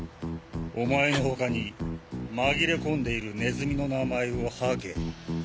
お前の他に紛れ込んでいるネズミの名前を吐け。